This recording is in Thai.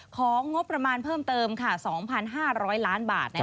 ของงบประมาณเพิ่มเติม๒๕๐๐ล้านบาท